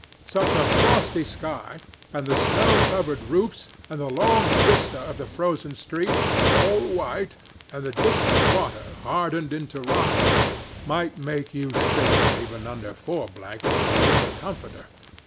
Such a frosty sky and the snow covered roofs and the long vista of the frozen street, all white, and the distant water hardened into rock, might make you shiver even under four blankets and a woollen comforter.